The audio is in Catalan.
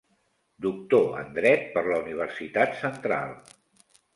Doctor en dret per la Universitat Central.